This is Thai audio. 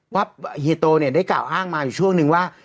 ว่าเฮียโตได้กล่าวอ้างมาอยู่ช่วงนึงว่า